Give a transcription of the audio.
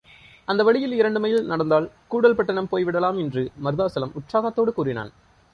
அந்த வழியில் இரண்டு மைல் நடந்தால் கூடல் பட்டணம் போய்விடலாம் என்று மருதாசலம் உற்சாகத்தோடு கூறினான்.